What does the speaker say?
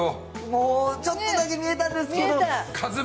もうちょっとだけ見えたんですけど。